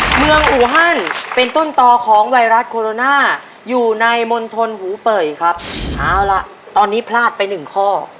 เมืองอูฮันเป็นต้นต่อของไวรัสโคโรนาอยู่ในมณฑลหูเป่ยครับเอาล่ะตอนนี้พลาดไปหนึ่งข้อ